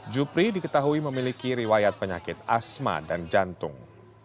jupri diketahui memiliki riwayat penyakit asma dan jantung